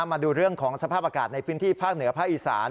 มาดูเรื่องของสภาพอากาศในพื้นที่ภาคเหนือภาคอีสาน